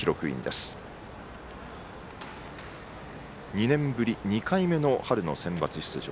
２年ぶり２回目の春のセンバツ出場。